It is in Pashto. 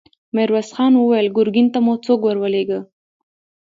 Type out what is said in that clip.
ميرويس خان وويل: ګرګين ته مو څوک ور ولېږه؟